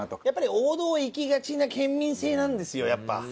やっぱり王道をいきがちな県民性なんですよやっぱ。